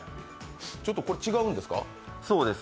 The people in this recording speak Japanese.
ちょっとこれ違うんですか？